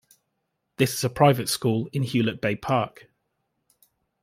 This is a private school in Hewlett Bay Park.